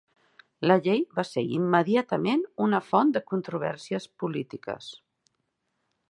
La llei va ser immediatament una font de controvèrsies polítiques.